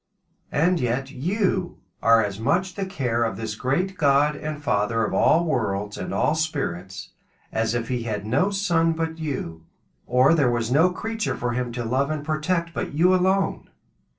And yet you are as much the care of this great God and Father of all worlds, and all spirits, as if he had no son but you, or there were no creature for him to love and protect but you alone.